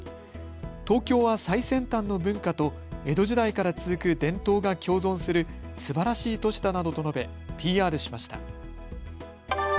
東京は最先端の文化と江戸時代から続く伝統が共存するすばらしい都市だなどと述べＰＲしました。